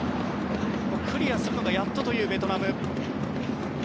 クリアするのがやっとというベトナム。